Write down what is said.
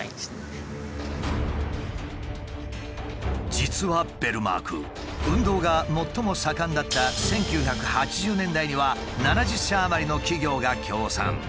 実はベルマーク運動が最も盛んだった１９８０年代には７０社余りの企業が協賛。